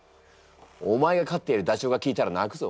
お前が飼ってるダチョウが聞いたら泣くぞ。